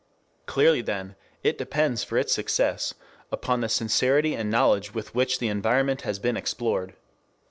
Clearly then, it depends for its success upon the sincerity and knowledge with which the environment has been explored.